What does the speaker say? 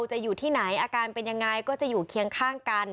จะอยู่ที่ไหนอาการเป็นยังไงก็จะอยู่เคียงข้างกัน